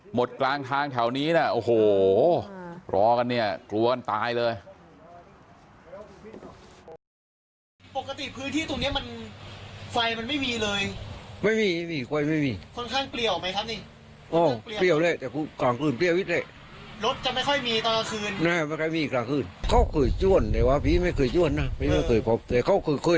หมดกลางทางแถวนี้นะโอ้โหรอกันเนี่ยกลัวกันตายเลย